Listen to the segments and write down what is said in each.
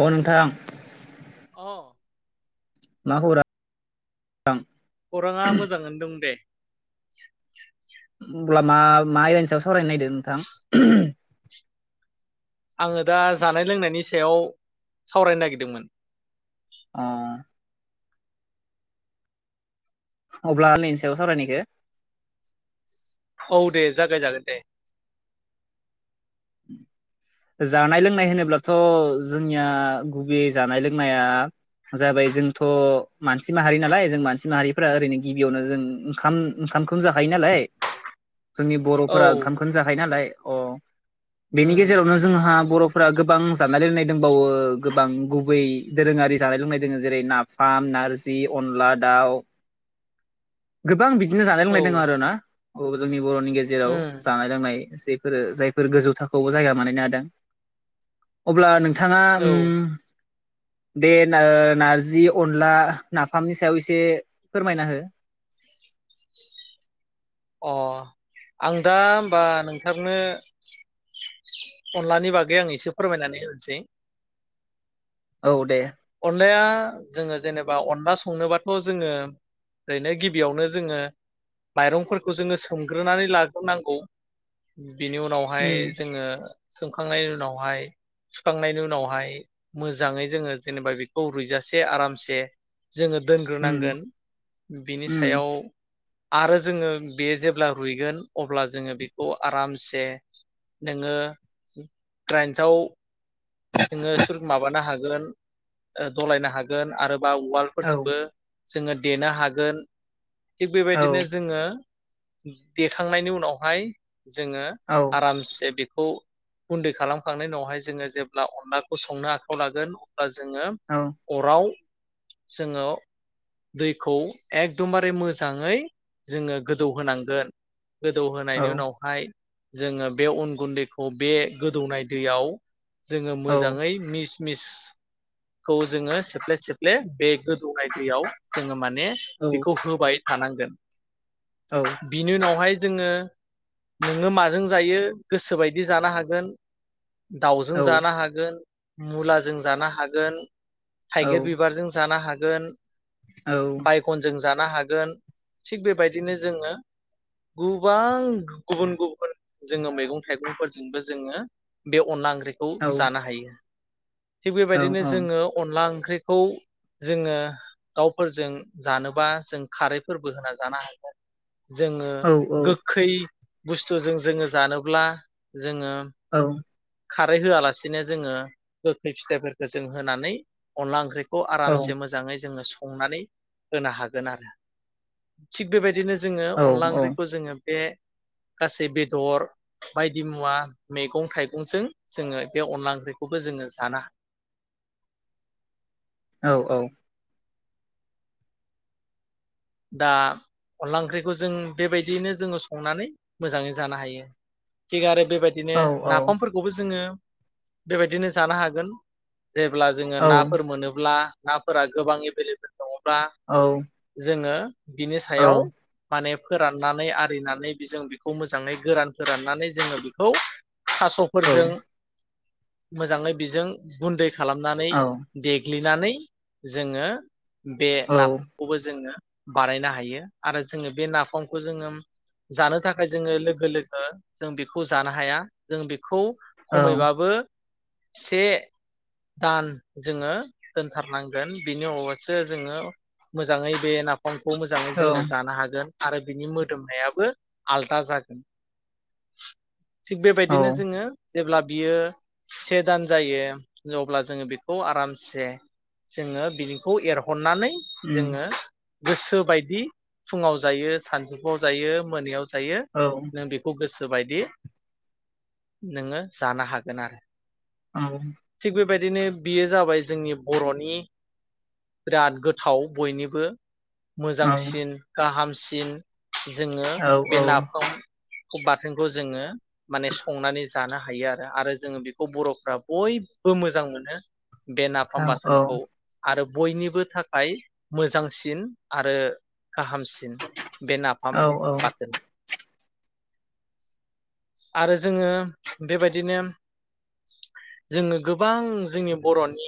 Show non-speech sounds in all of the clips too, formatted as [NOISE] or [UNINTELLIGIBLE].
अ नोंथां अ मा खौरां खौराङा मोजाङनो दं दे उम अब्ला मा मा एनसार सावरायनो नायदो नोंथां आङो दा जानाय लोंनायनि सायाव सावरायनो नागिरदोंमोन अ अब्ला नैएनि सायाव सावरायनायखो औ दे जागाय जागोन दे जानाय लोंनाय होनोब्लाथ' जोंनिया गुबै जानाय लोंनाया जाबाय जोंथ' मानसि माहारि नालाय जों मानसि माहारिफ्रा ओरैनो गिबियावनो जों ओंखाम ओंखामखौनो जाखायो नालाय जोंनि औ बर'फोरा ओंखामखौनो जाखायो नालाय अ बेनि उम गेजेरावनो जोंहा बर'फोरा गोबां जानाय लोंनाय दंबावो गोबां गुबै दोरोङारि जानाय लोंनाय दोङो जेरै नाफाम नारजि अनला दाउ गोबां बि बिदिनो जानाय औ लोंनाय दों आरो ना औ जोंनि बर'नि गेजेराव उम जानाय लोंनाय जे फोरो जाय फोर गोजौ थाखोआवबो जायगा मोनहैनो हादों अब्ला नों बिथाङा औ ओम दे नो नारजि अनला नाफामनि सायाव एसे फोरमायना हो अ आं दा होमबा नोंथांनो अनलानि बागै आं एसे फोरमायनानै होनोसै औ दे अनलाया जोङो जेनेब बा अनला संनोबाथ जोङो ओरैनो गिबियावनो जोङो माइरंफोरखौ जोङो सोमग्रोनानै लाग्रोनांगौ बिनि उनावहाय उम जोङो सोमखांनायनि उनावहाय सुखांनायनि उनावहाय मोजाङै जोङो जेनेबा बेखौ रुयजासे आरामसे जोङो उम दोनग्रोनांगोन बिनि उम सायाव आरो जोङो बे जेब्ला रुइगोन अब्ला जोङो बेखौ आरामसे नोङो ग्राइन्साव नोङो सुर माबानो हागोन गोन ओ दलायनो हागोन आरो बा औ उवालफोरजोंबो जोङो देनो हागोन थिग औ बेबायदिनो जोङो देखांनायनि उनावहाय जोङो औ आरामसे बेखौ गुन्दै खालामखांनायनि उनावहाय जोङो जे ब्ला अनलाखौ संनो आखायाव लागोन बा जोङो औ अराव जोङो दैखौ एकदमबारे मोजाङै जोङो गोदौहोनांगोन औ गोदौहोनायनि उनावहाय जोङो बे अन गुन्दैखौ बे गोदौनाय दैयाव जोङो औ मोजाङै मिस मिस खौ जोङो सिफ्ले सिफ्ले बे गोदौनाय दैयाव जोङो मान ने बेखौ होबाय थानांगोन बिनि उनावहाय जोङो नोङो माजों जायो गोसोबायदि जानो हागोन दा औ जानो हागोन मुलाजों जानो हागोन थाइगिर बिबारजों जानो हाग गोन बायकनजों जानो हागोन थिग बेबायदिनो जोङो गुबां गुबुन गुबुन जोङो मैगं थाइगंफोरजोंबो जोङो बे अनला ओंख्रिखौ औ सानो हायो थिग बेबायदिनो जोङो अनला ओंख्रिखौ जोङो दावफोरजों जानोबा जों खारैफोरबो होना जानो हागोन जोङो गोखै बुस्थुजों जोङो जानोब्ला जोङो औ खारै होआला बिदिनो जोङो गोखै फिथाइफोरखौ जों होनानै अनला ओंख्रि खौ आरामसे औ मोजाङै जोङो सं संनानै होनो हागोन आरो थि बेबायदि बिदिनो जोङो अनला ओंख्रिखौ जोङो बे गासै बेदर बायदि मुवा मैगं थाइगंजों जोङो बे अनला ओंख्रिखौबो जोङो जाना औ औ दा अनला ओंख्रिखौ जों बेबायदियैनो जोङो संनानै मोजाङै जानो हायो थिग आरो बेबायदिनो नाफामफोरखौबो जोङो बेबायदिनो जानो हागोन जेब्ला जोङो नाफोर मोनोब्ला नाफोरा गोबां एभेलेबोेल औ जोङो बिनि सायाव माने फोराननानै आरिनानै बे जों बेखौ मोजाङै गोरान फोराननानै जोङो बेखौ औ थासफोरजों मोजाङै बेजों बुन्दै खालामनानै औ देग्लि नानै जोङो बे औ नाखौबो जोङो बानायनो हायो आरो जोङो बे नाफामखौ जोङो जानो थाखाय जोङो लोगो लोगो जों बेखौ जानो हाया जों बे खौ औ खमैबाबो से दान जोङो दोनथारनांगोन बिनि अनावसो जोङो मोजाङै बेनो ना साम'खौ मोजाङै औ जोङो जानो हागोन आरो बिनि मोदोमनायाबो आलदा जागोन थिग औ बेबायदिनो जोङो जेब्ला बियो से दान जायो अब्ला जोङो बेखौ आरामसे जोङो बिनिखौ एरहननानै उम जोङो गोसो बायदि फुङाव जायो सानजौफुआव जायो मोनायाव जायो औ नों बेखौ गोसो गोसो बायदि नोङो जानो हागोन आरो औ थिग बेबायदिनो बियो जाबाय जोंनि बर'नि बिराद गोथाव बयनिबो औ मोजांसिन गाहाम सिन जोङो औ बे नाफाम खौ बाथोनखौ जोङो माने संनानै जानो हायो आरो आरो जोङो बेखौ बर'फ्रा बयबो मोजां मोनो बे नाफाम औ बाथोनखौ आरो बयनिबो थाखाय मोजांसिन सिन आरो गाहामसिन बे नाफाम औ औ बाथोनना आरो जोङो बेबायदिनो जोङो गोबां जोंनि बरनि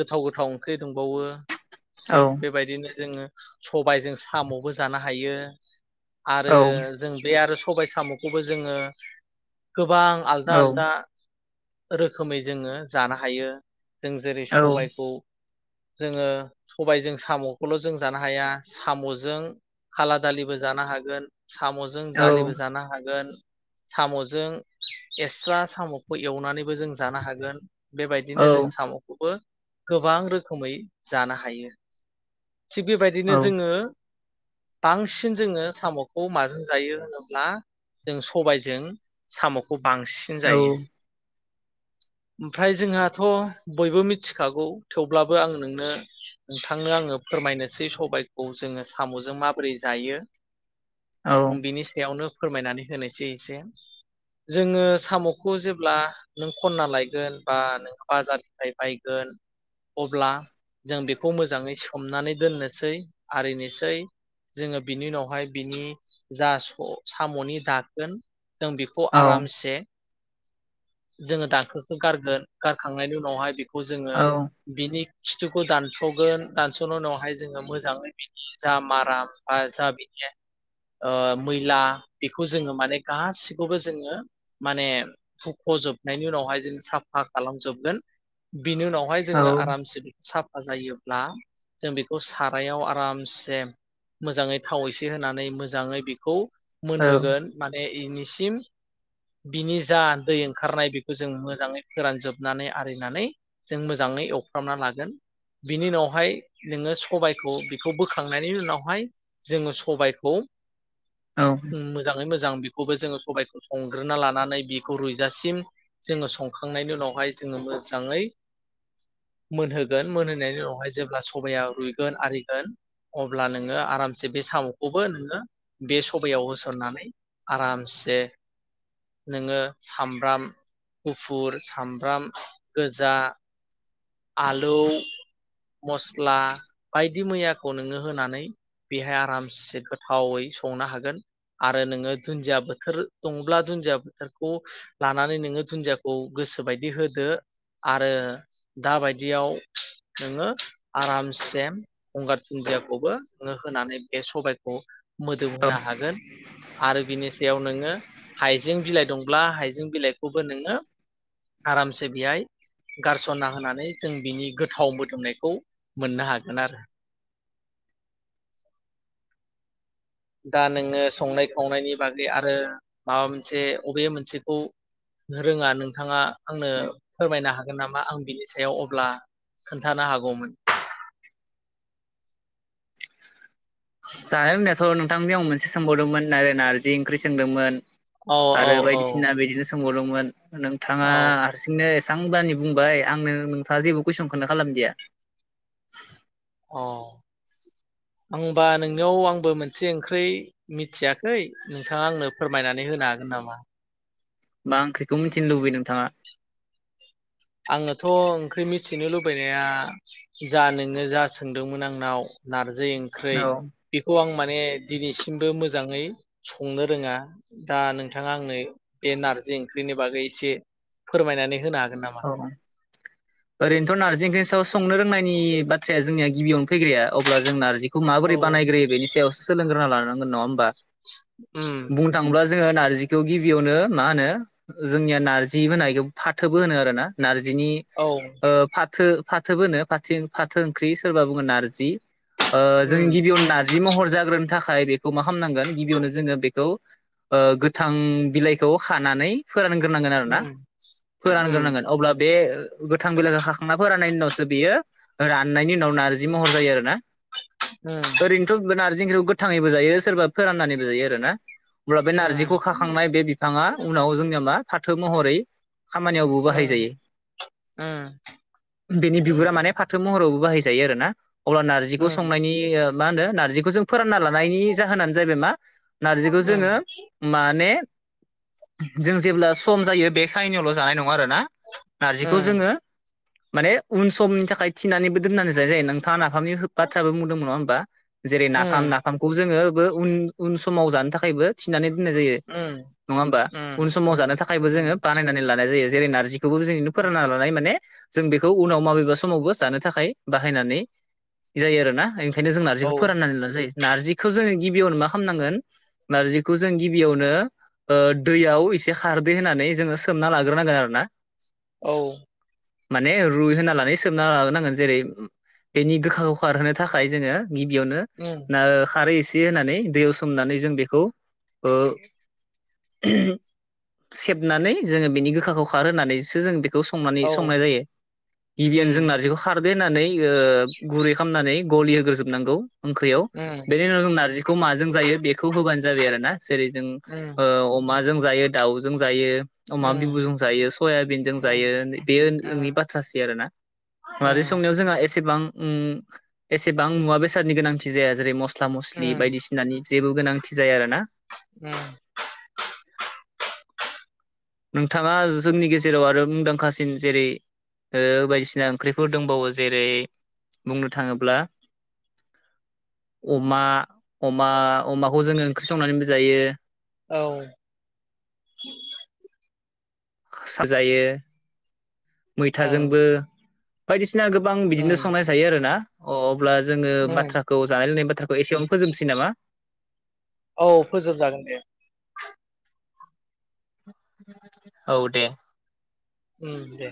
गोथाव गोथाव ओंख्रि दंबावो औ थिग बेबायदिनो जोङो सबायजों सामबो जानो हायो आरो जों बे आरो सबाय साम'खौबो जोङो [UNINTELLIGIBLE] गोबां आलदा आलदा रोखोमै जोङो जानो हायो जों जेरै सबायखौ जोङो सबायजों साम'खौल जों जानो हाया साम'जों काला दालिबो जानो हागोन साम'जों औ दालिबो जानो हागोन साम'जों एक्सट्रा साम'खौ एवनानै बो जों जानो हागोन बेबायदिनो जों सामखौबो गोबां रोखोमै जानो हायो थिग बेबायदिनो जोङो बांसिन जोङो साम'खौ माजों जायो होनोब्ला जों सबायजों साम'खौ बांसिन जायो ओमफ्राय जोंहाथ बयबो मिथिखागौ थेवब्लाबो आं नोंनो नोंथांनो आङो फोरमायनोसै सबायखौ जोङो सामजों माबोरै जायो बिनि सायावनो फोरमायनानै होनोसै एसे जोङो सामखौ जेब्ला नों खनना लायगोन बा नों बाजारनिफ्राय बायगोन अब्ला जों बेखौ मोजाङै सोमनानै दोननोसै आरिनोसै जोङो बिनि उनावहाय बिनि जा स साम'नि दाग दोन जों बेखौ आरामसे जोङो दाखोनखौ गारगोन गारखांनायनि उनावहाय बे खौ जोङो औ बिनि खिथुखौ दानस'गोन दानस'नायनि उनावहाय जोङो मोजाङै बेनि जा माराम बा जा बिनि ओ मैला बेखौ जोङो [UNINTELLIGIBLE] बे गासिखौबो जोङो माने हुखजोबनायनि उनावहाय जों साफा खालामजोबगोन बिनि उनावहाय जोङो आरामसे साफा जायोब्ला जों बेखौ सारायाव आरामसे मोजाङै थाव एसे होनानै मोजाङै बेखौ मोनहोगोन माने इनिसिम बिनि जा दै ओंखारनाय बेखौ जों मोजाङै फोरानजोबनानै आरिनानै जों मोजाङै एवफ्रामना लागोन बिनि उनावहाय नोङो सबायखौ बेखौ बोखांनायनि उनावहाय जोङो सबायखौ औ मोजाङै मोजां बेखौबो जोङो सबाइखौ संग्रोना लानानै बेखौ रुइजासिम जोङो संखांनायनि उनावहाय जोङो मोजाङै मोनहोगोन मोनहोनायनि उनावहाय जेब्ला सबाया रुइगोन आरिगोन अब्ला नोङो आरामसे बे साम'खौबो नोङो बे सबायाव होसननानै आरामसे नोङो सामब्राम गुफुर सामब्राम गोजा आलौ मस्ला बायदि मैयाखौ नोङो होनानै बेहाय आरामसे गोथावै संनो हागोन आरो नोङो दुन्दिया बोथोर दङब्ला दुन्दिया बोथोरखौ लानानै नोङो दुन्दियाखौ गोसोबायदि होदो आरो दाबायदियाव नोङो आरामसेम गंगार दुन्दियाखौबो नोङो होनानै बे सबायखौ मोदोम होनो हागोन आरो बिनि सायाव नों [UNINTELLIGIBLE] हाइजें बिलाइ दंब्ला हाइजें बिलाइखौबो नोङो आरामसे बेहाय गारसन [UNINTELLIGIBLE] होनानै जों बिनि गोथाव मोदोमनायखौ मोननो हागोन आरो दा नोङो संनाय खावनायनि बागै आरो माबा मोनसे अबे मोनसेखौ रोङा नोंथाङा आंनो फोरमायनो हागोन नामा आं बिनि सायाव अब्ला खोन्थानो हागौमोन जानाय लोंनायाथ' नोंथांनिआव आं मोनसे सोंबावदोंमोन नार नारजि ओंख्रि सोंदोंमोन औ औ आरो औ बायदिसिना बिदिनो सोंबावदोंमोन नोंथाङा औ हारसिंनो एसे आं बानि बुंबाय आंनो नोंथाङा जेबो कुइसनखौनो खालामदिया अ आंबा नोंनियाव आंबो मोनसे ओंख्रि मिथियाखै नोंथाङा आंनो फोरमायनानै होनो हागोन नामा मा ओंख्रिखौ मिन्थिनो लुबैयो नोंथाङा आङोथ' ओंख्रि मिथिनो लुबैनाया जा नोङो जा सोंदोंमोन आंनाव नारजि नारजि ओंख्रै औ बेखौ आं मा बे दिनैसिमबो मोजाङै संनो रोङा दा नोंथाङा आंनो बे नारजि ओंख्रिनि बागै एसे फोरमायनानै होनो हागोन नामा [UNINTELLIGIBLE] नारजि ओंख्रिनि सायाव संनो [UNINTELLIGIBLE] बुंनायनि बाथ्राया जोंनिया गिबियावनो फैग्राया अब्ला जों नारजि खौ औ माबोरै बानायग्रोयो बेनि सायावसो सोलोंग्रोना लानां गोन नङा होनबा उम जोङो नारजिखौ गिबियावनो मा होनो जोंनिया नारजि होननायखौ फाथो बो होनो आरोना नारजि जिनि औ ओ फाथो फाथोबो होनो फाथो फाथो ओंख्रि सोरबा बुङो नारजि ओ जों उम गिबियावनो नारजि महर जाग्रोनो थाखाय खाय बेखौ मा खालामामनांगोन गिबियावनो जोङो बेखौ ओ गोथां बिलाइखौ खानानै फोरानग्रोनांगोन आरो ना उम उम फोरानग्रोनांगोन अब्ला बे गोथां बिलाइखौ खाखांना फोराननायनि उनावसो बेयो राननायनि उनाव नारजि महर जायो आरो ना उम ओरैनोथ नारजि ओंख्रिखौ गोथ थाङैबो जायो सोरबा फोराननानैबो जायो आरो ना अब्ला बे उम नारजिखौ खाखांनाय बे बिफाङा उनाव जोंनिया मा फाथो महरै खामानियावबो उम बाहायजायो उम बेनि बिगुरा माने फाथो महराव बाहायजायो आरो ना अब्ला नारजिखौ उम संनायनि ओ मा होनो नारजिखौ जों फोरानना लानायनि जाहोनानो जाहैबाय मा नारजिखौ उम जोङो माने [UNINTELLIGIBLE] जों जेब्ला सम जायो बेखायनो जानायनो सङो आरो ना नारजिखौ उम जोङो माने उन समनि थाखाय थिनानैबो दोननानै जाजायो नोंथाङा ना फामनि बाथ्राबो बुंदोंमोन नङा होनबा जेरै नाफाम उम नाफामखौ जोङो बो उन उन‌ समाव जानो थाखायबो थिनानै नानै दोननाय जायो उम नङा होनबा उम उन समाव जानो थाखायबो उम जोङो बानायनानै लान नाय जायो जेरै नारजि खौबो जेरैनो फोराना लानाय माने जों बेखौ उनाव माबेबा समावबो जानो थाखाय बाहायनानै जायो आरोना इं बेखायनो जों औ नारजिखौ फोराननानै लाना जायो नारजिखौ जोङो गिबियावनो मा खामनांगोन नारजिखौ जों गिबियावनो ओ दैयाव एसे खारदै होनानै जोङो सोमना लाग गोरनांगोन आरो ना औ माने रुइमयहोना लानानै सोमना लानांगोन जेरै बेनि गोखाखौ खारहोनो थाखाय जोङो गिबियावनो उम ना खारै एसे टे होनानै दैयाव सोमनानै जों बेखौ ओ [UNINTELLIGIBLE] सेबनानै जोङो बेनि गोख खाखौ खारहोनानैसो जों बे खौ संनानै औ संनाय जायो गिबियाव जों उम नारजिखो खार बेननानै ओ गुरै खामनानै गलिहोग्रोजोबनांगौ ओंख्रैयाव उम बेनि उनाव जों नारजि खौ माजों जायो बेखौ होबानो जाबाय आरो ना जेरै जों उम ओ अमा जों जायो दाउजों जायो उम अमा बिबुजों जायो सयाबिनजों उम जायो बे नो-नो-नोंनि उम बाथ्रासै आरोना नारजि संनायाव जोंहा एसेबां उम एसेबां मुवा बेसादनि गोनांथि जाया जेरै मस मस्ला मस्लि उम बायदिसिनानि जेबो गोनांथि जाया रो उम नोंथाङा जोंनि गेजेराव आरो मुंदांखासिन जेरै ओ बायदिसिना ओंख्रिफोर दंबावो जेरै बुंनो थाङोब्ला अमा-अमा-अमाखौ जोङो ओंख्रि संनानैबो जायो औ [UNINTELLIGIBLE] जायो मैथाजोंबो ओं बायदिस सिना गोबां बिदिनो उम संनाय जायो आरो ना अब अब्ला जोङो उम बाथ्राखौ जानाय लोंनाय खोथाखौ एसेयावनो फोजोबनोसै नामा औ फोजोबजागोन दे औ दे उम दे